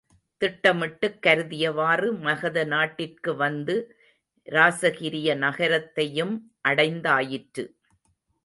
திட்டமிட்டுக் கருதியவாறு மகத நாட்டிற்கு வந்து இராசகிரிய நகரத்தையும் அடைந்தாயிற்று.